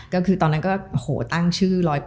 ก็คือตอนนั้นก็ตั้งชื่อ๑๐๐